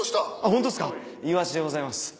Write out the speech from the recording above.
ホントですかイワシでございます。